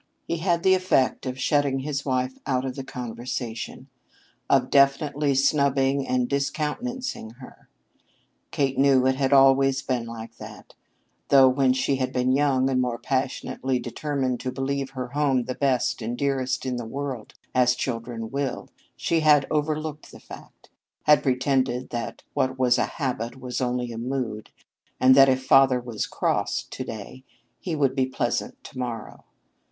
He had the effect of shutting his wife out of the conversation; of definitely snubbing and discountenancing her. Kate knew it had always been like that, though when she had been young and more passionately determined to believe her home the best and dearest in the world, as children will, she had overlooked the fact had pretended that what was a habit was only a mood, and that if "father was cross" to day, he would be pleasant to morrow.